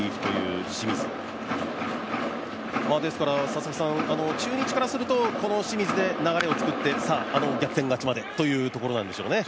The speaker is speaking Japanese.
佐々木さん、中日からすると、この清水で流れを作って逆転勝ちまで、というところなんでしょうね。